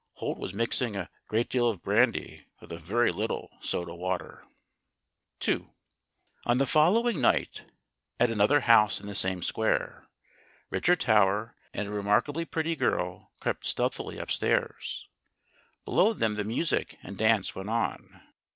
Holt was mixing a great deal of brandy with a very little soda water. ii ON the following night, at another house in the same square, Richard Tower and a remarkably pretty girl crept stealthily upstairs. Below them the music and dance went on.